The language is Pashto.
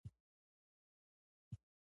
کروندګر د خزان موسم ته زغم لري